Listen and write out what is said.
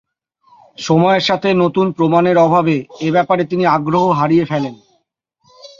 সময়ের সাথে নতুন প্রমাণের অভাবে এ ব্যাপারে তিনি আগ্রহ হারিয়ে ফেলেন।